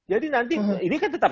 nanti ini kan tetap